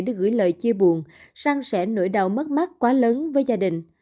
để gửi lời chia buồn sang sẻ nỗi đau mất mát quá lớn với gia đình